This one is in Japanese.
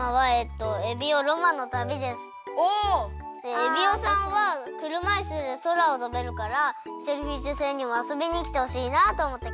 エビオさんはくるまいすでそらをとべるからシェルフィッシュ星にもあそびにきてほしいなとおもってかきました。